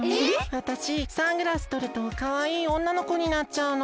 わたしサングラスとるとかわいいおんなのこになっちゃうの。